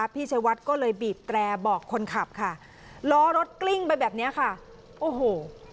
พี่ชายวัดก็เลยบีบแตรบอกคนขับค่ะล้อรถกลิ้งไปแบบเนี้ยค่ะโอ้โห